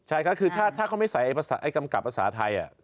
ใช่ครับคือถ้าเขาไม่ใส่กำกับภาษาไทย